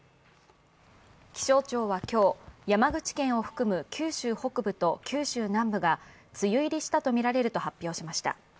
気象庁は今日、山口県を含む九州北部と九州南部が梅雨入りしたとみられると発表しました。